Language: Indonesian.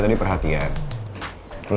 sok cuek kamu gue